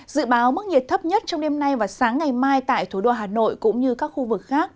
dự báo mức nhiệt thấp nhất trong đêm nay và sáng ngày mai tại thủ đô hà nội cũng như các khu vực khác